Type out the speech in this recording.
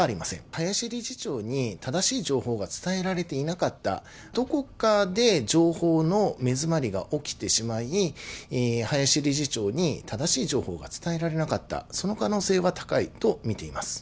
林理事長に正しい情報が伝えられていなかった、どこかで情報の目詰まりが起きてしまい、林理事長に正しい情報が伝えられなかった、その可能性は高いと見ています。